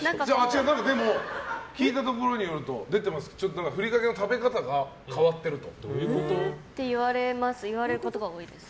聞いたところによるとふりかけの食べ方が変わっていると。って言われることが多いです。